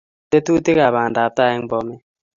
Tetutikab bandaptai eng Bomet